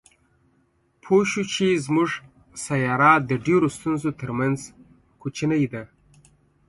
پوه شو چې زموږ سیاره د ډېرو ستورو تر منځ کوچنۍ ده.